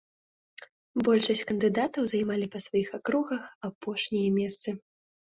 Большасць кандыдатаў займалі па сваіх акругах апошнія месцы.